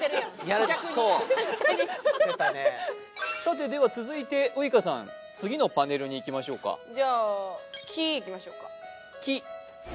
確かにさてでは続いてウイカさん次のパネルにいきましょうかじゃあ「き」いきましょうか「き」